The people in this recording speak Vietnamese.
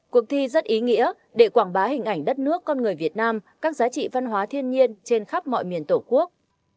cuộc thi rất ý nghĩa để quảng bá hình ảnh đất nước con người việt nam các giá trị văn hóa thiên nhiên trên khắp mọi miền tổ quốc